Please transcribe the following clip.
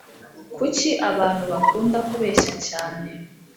kucyi abantubakaund kubeshya cyane